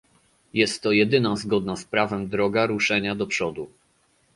Jest to jedyna zgodna z prawem droga ruszenia do przodu